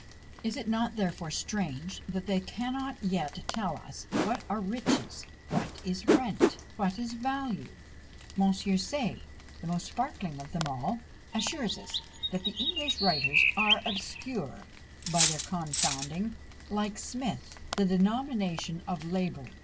Is it not, therefore, strange that they cannot yet tell us what are riches? what is rent? what is value? Monsieur Say, the most sparkling of them all, assures us that the English writers are obscure, by their confounding, like Smith, the denomination of labour.